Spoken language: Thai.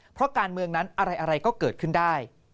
เพราะการเมืองนั้นอะไรก็เกิดขึ้นได้